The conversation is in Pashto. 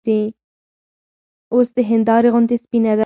اوس د هېندارې غوندې سپينه ده